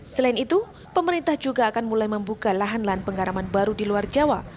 selain itu pemerintah juga akan mulai membuka lahan lahan penggaraman baru di luar jawa